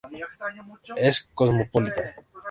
Es cosmopolita.